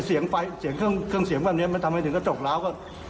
เสียงเครื่องเสียงว่านี้ทำให้ถึงก็จบแล้ว